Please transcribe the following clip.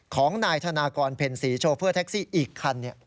ของนายธนากรเพ็ญศรีโชเฟอร์แท็กซี่อีกคัน